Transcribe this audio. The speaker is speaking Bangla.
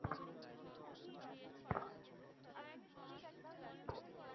হালনাগাদ অপারেটিং সিস্টেমে স্মার্টফোন থেকে তথ্য চুরি হওয়া ঠেকাতে বিশেষ ব্যবস্থা থাকে।